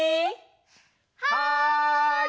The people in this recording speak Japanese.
はい！